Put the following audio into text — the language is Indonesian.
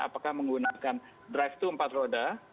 apakah menggunakan drive th empat roda